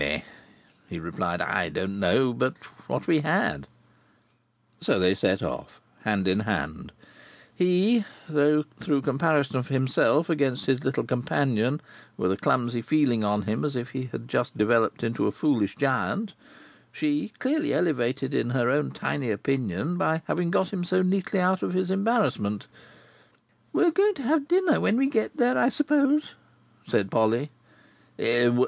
"Really," he replied, "I don't know but what we had." So they set off, hand in hand. He, through comparison of himself against his little companion, with a clumsy feeling on him as if he had just developed into a foolish giant. She, clearly elevated in her own tiny opinion by having got him so neatly out of his embarrassment. "We are going to have dinner when we get there, I suppose?" said Polly.